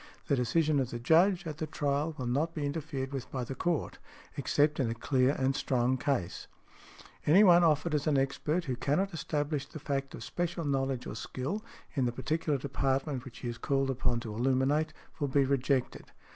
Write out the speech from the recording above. The decision of the Judge at the trial will not be interfered with by the Court, except in a clear and strong case . Any one offered as an expert who cannot establish the fact of special knowledge or skill, in the particular department which he is called upon to illuminate, will be rejected.